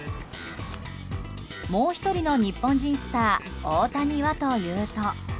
もう１人の日本人スター大谷はというと。